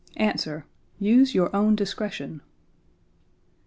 Answer: "Use your own discretion!"